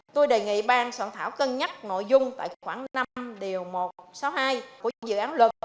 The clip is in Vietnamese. tôi đề nghị bang soạn thảo cân nhắc nội dung tại khoảng năm điều một trăm sáu mươi hai của dự án luật